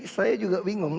saya juga bingung